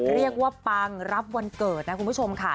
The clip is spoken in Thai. เรียกว่าปังรับวันเกิดนะคุณผู้ชมค่ะ